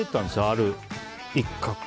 ある一角。